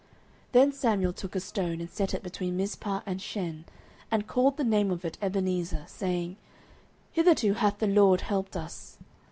09:007:012 Then Samuel took a stone, and set it between Mizpeh and Shen, and called the name of it Ebenezer, saying, Hitherto hath the LORD helped us.